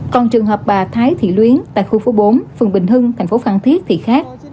còn trường hợp bà thái thị luyến tại khu phố bốn phường bình hưng thành phố phan thiết thì khác